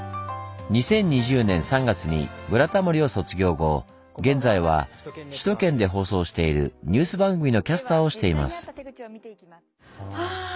２０２０年３月に「ブラタモリ」を卒業後現在は首都圏で放送しているニュース番組のキャスターをしています。